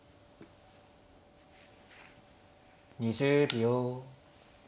２０秒。